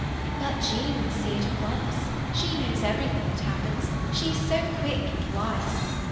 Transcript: "But Jean will see it at once; she knows everything that happens, she is so quick and wise.